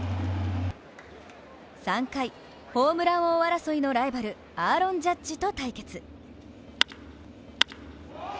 ３回ホームラン王争いのライバルアーロン・ジャッジと対決。